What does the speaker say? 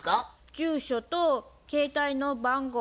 住所と携帯の番号